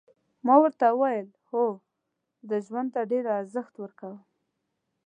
ما ورته وویل هو زه ژوند ته ډېر ارزښت ورکوم.